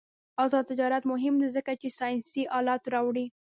آزاد تجارت مهم دی ځکه چې ساینسي آلات راوړي.